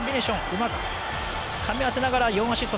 うまくかみ合わせながら４アシスト。